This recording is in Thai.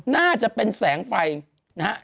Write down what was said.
น่าจะเป็นแสงไฟนะฮะ